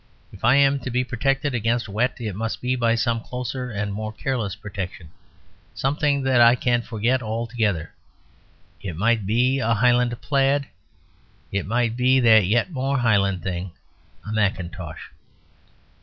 If I am to be protected against wet, it must be by some closer and more careless protection, something that I can forget altogether. It might be a Highland plaid. It might be that yet more Highland thing, a mackintosh.